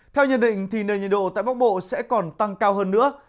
theo nhận định thì nền nhiệt độ tại bắc bộ sẽ còn tăng cao hơn nữa